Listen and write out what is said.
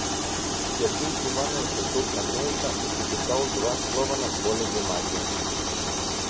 Сергей Иванович вдруг нагнулся и приписал два слова на поле бумаги.